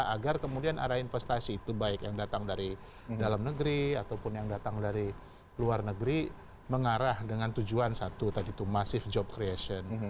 agar kemudian arah investasi itu baik yang datang dari dalam negeri ataupun yang datang dari luar negeri mengarah dengan tujuan satu tadi itu masif job creation